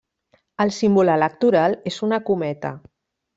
El símbol electoral és una cometa.